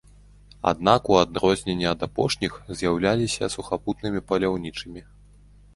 Аднак у адрозненні ад апошніх з'яўляліся сухапутнымі паляўнічымі.